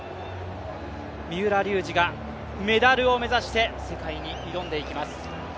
三浦龍司がメダルを目指して世界に挑んでいきます。